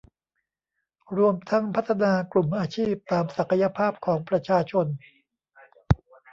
รวมทั้งพัฒนากลุ่มอาชีพตามศักยภาพของประชาชน